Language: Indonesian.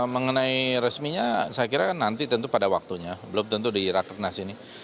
mengenai resminya saya kira nanti tentu pada waktunya belum tentu di rakernas ini